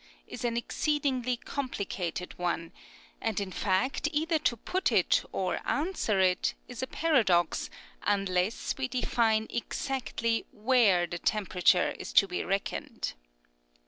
is an exceedingly complicated one, and in fact, either to put it or answer it, is a paradox, unless we define exactly where the tem perature is to be reckoned.